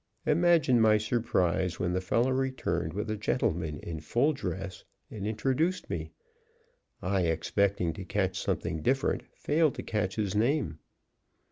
Imagine my surprise when the fellow returned with a gentleman in full dress and introduced me. I, expecting to catch something different, failed to catch his name.